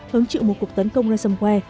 hứng chịu một cuộc tấn công resumway